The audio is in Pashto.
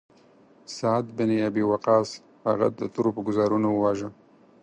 سعد بن ابی وقاص هغه د تورو په ګوزارونو وواژه.